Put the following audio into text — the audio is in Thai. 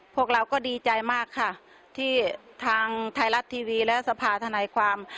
พวกเราก็ดีใจมากค่ะที่ทางไทยรัฐทีวีและสภาธนายความ